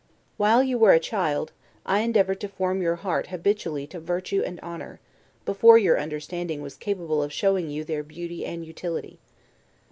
While you were a child, I endeavored to form your heart habitually to virtue and honor, before your understanding was capable of showing you their beauty and utility.